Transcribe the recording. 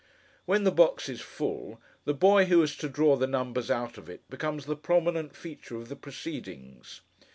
When the box is full, the boy who is to draw the numbers out of it becomes the prominent feature of the proceedings.